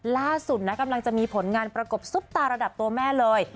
ล่าสุดนะกำลังจะมีผลงานประกบซุปตาระดับตัวแม่เลย